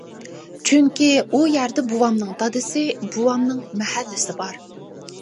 چۈنكى ئۇ يەردە بوۋامنىڭ دادىسى، بوۋامنىڭ مەھەللىسى بار.